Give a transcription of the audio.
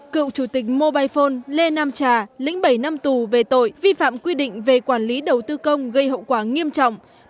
cựu chủ tịch mobile phone lê nam trà lĩnh bảy năm tù về tội vi phạm quy định về quản lý đầu tư công gây hậu quả nghiêm trọng